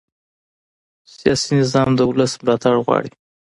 سیاسي نظام د ولس ملاتړ غواړي